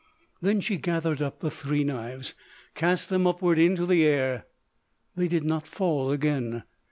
Then she gathered up the three knives, cast them upward into the air. They did not fall again.